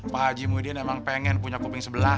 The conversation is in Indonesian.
pak haji muidin emang pengen punya kuping sebelah